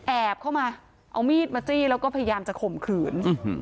แอบเข้ามาเอามีดมาจี้แล้วก็พยายามจะข่มขืน